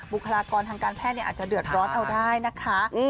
บุคลากรทางการแพทย์อาจจะเดือดร้อนเอาได้นะคะ